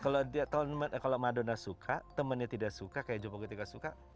kalau dia kalau madonna suka temennya tidak suka kayak jompo gautier nggak suka